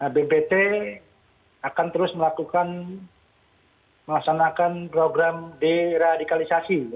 nah bpt akan terus melakukan melaksanakan program deradikalisasi ya